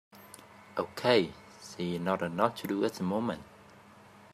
Okay, there is not a lot to do at the moment.